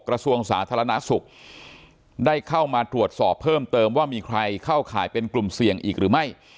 กระทรวงสาธารณสุขได้เข้ามาตรวจสอบเพิ่มเติมว่ามีใครเข้าข่ายเป็นกลุ่มเสี่ยงอีกหรือไม่